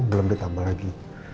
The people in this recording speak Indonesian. belum ditambah lagi